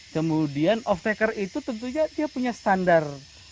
kemudian off taker itu tentunya dia punya standar